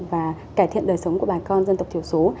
và cải thiện đời sống của bà con dân tộc thiểu số